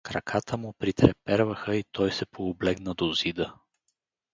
Краката му притреперваха и той се пооблегна до зида.